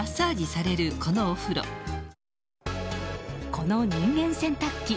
この人間洗濯機